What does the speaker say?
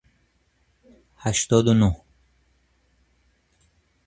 هشتاد و نه